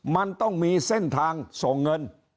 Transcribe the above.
มันต้องมีเส้นทางส่งเงิน